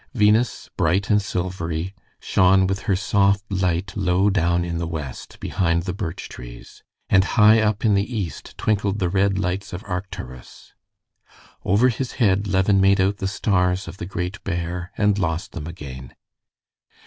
Venus, bright and silvery, shone with her soft light low down in the west behind the birch trees, and high up in the east twinkled the red lights of Arcturus. Over his head Levin made out the stars of the Great Bear and lost them again.